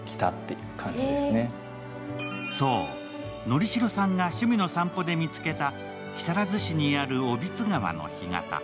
乗代さんが趣味の散歩で見つけた木更津市にある小櫃川の干潟。